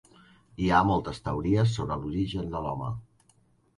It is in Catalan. Hi ha moltes teories sobre l'origen de l'home.